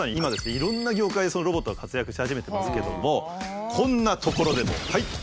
いろんな業界でロボットが活躍し始めてますけどもこんな所でもはい！